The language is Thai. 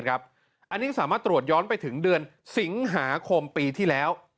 อันนี้สามารถตรวจย้อนไปถึงเดือนสิงหาคมปีที่แล้ว